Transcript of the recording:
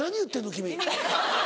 君。